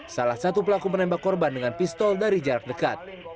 salah satu pelaku menembak korban dengan pistol dari jarak dekat